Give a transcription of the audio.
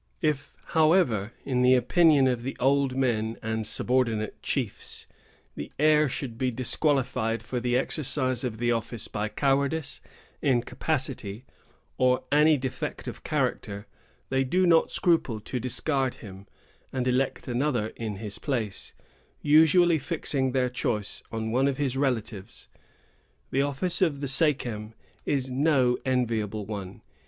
If, however, in the opinion of the old men and subordinate chiefs, the heir should be disqualified for the exercise of the office by cowardice, incapacity, or any defect of character, they do not scruple to discard him, and elect another in his place, usually fixing their choice on one of his relatives. The office of the sachem is no enviable one.